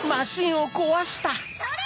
それ！